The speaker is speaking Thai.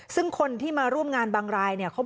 ซึ่งคนที่มาร่วมงานบางราย